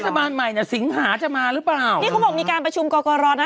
ใหม่เนี่ยสิงหาจะมาหรือเปล่านี่เขาบอกมีการประชุมกรกรนะ